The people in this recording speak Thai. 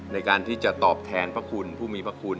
ในการที่จะตอบแทนพระคุณ